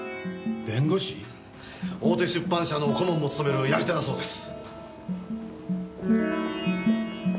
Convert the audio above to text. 大手出版社の顧問も務めるやり手だそうです。